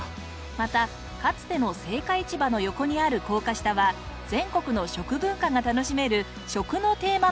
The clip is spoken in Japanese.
またかつての青果市場の横にある高架下は全国の食文化が楽しめる食のテーマパークに！